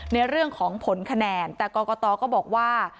ในเรื่องของผลคะแนนแต่กรกตก็บอกว่า